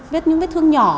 vết những vết thương nhỏ